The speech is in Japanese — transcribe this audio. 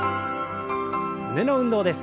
胸の運動です。